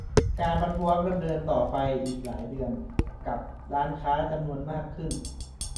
การประท้วงดำเนินต่อไปอีกหลายเดือนกับร้านค้าจำนวนมากขึ้น